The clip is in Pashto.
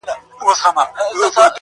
ما پخوا لا طبیبان وه رخصت کړي!